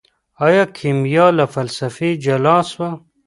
ايا کيميا له فلسفې جلا سوه؟